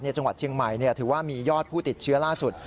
จังหวัดเชียงใหม่ถือว่ามียอดผู้ติดเชื้อล่าสุด